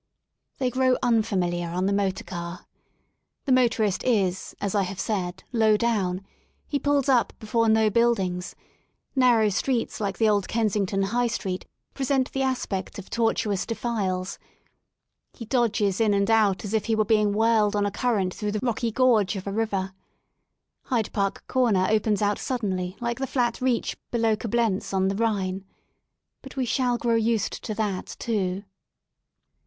They grow un fami 1 iar on the m otor car. The motorist is, as I have said, low down, he pulls up before no build ings; narrow streets like the old Kensington High Street present the aspect of tortuous defiles; he dodges in and out as if he were being whirled on a current through the rocky gorge of a river, Hyde Park Corner opens out suddenly like the flat reach below Coblentz on the Rhine But we shall grow used to that, too.